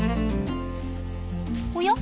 おや？